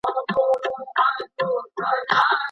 په لاس لیکلنه د کلتور او تمدن ساتل دي.